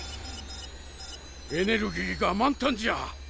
エネルギーが満タンじゃ。